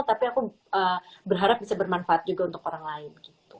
tapi aku berharap bisa bermanfaat juga untuk orang lain